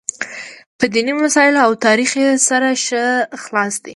په دیني مسایلو او تاریخ یې سر ښه خلاص دی.